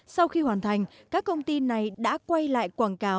sau khi hoàn thành các công ty này đã quay lại quảng cáo